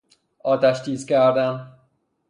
آتش تیز کردن